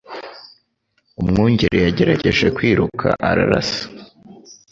Umwungeri yagerageje kwiruka ararasa